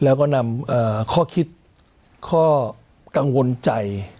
แล้วก็นำข้อคิดข้อกังวลใจ